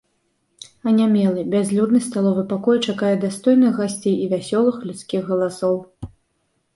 Анямелы, бязлюдны сталовы пакой чакае дастойных гасцей і вясёлых людскіх галасоў.